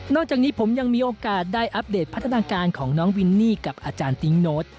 จากนี้ผมยังมีโอกาสได้อัปเดตพัฒนาการของน้องวินนี่กับอาจารย์ติ๊งโน้ต